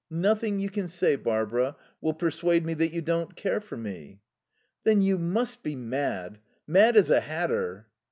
"Nothing you can say, Barbara, will persuade me that you don't care for me." "Then you must be mad. Mad as a hatter."